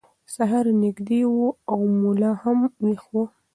سهار نږدې و او ملا هم ویښ و.